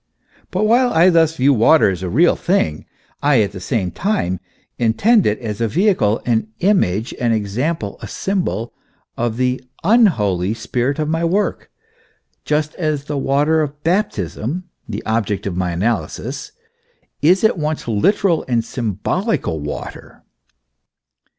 But while I thus view water as a real thing, I at the same time intend it as a vehicle, an image, an example, a symbol, of the "unholy" spirit of my work, just as the water of Baptism the object of my analysis is at once literal and symbolical water.